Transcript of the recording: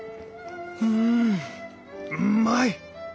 うんうまい！